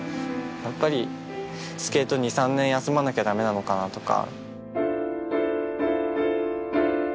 やっぱりスケート２３年休まなきゃダメなのかなとか。